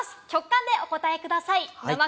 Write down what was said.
直感でお答えください。